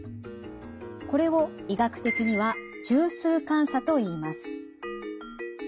これを医学的には中枢感作といいます。